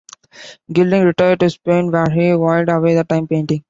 Gilling retired to Spain where he whiled away the time painting.